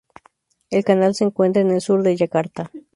El canal se encuentra en el Sur de Yakarta.